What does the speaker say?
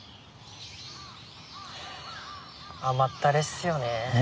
ハァ甘ったれっすよねえ。